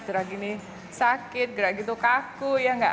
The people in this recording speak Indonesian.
gerak gini sakit gerak gitu kaku ya nggak